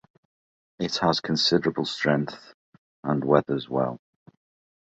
It has considerable strength and weathers well.